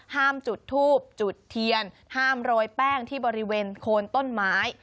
จุดทูบจุดเทียนห้ามโรยแป้งที่บริเวณโคนต้นไม้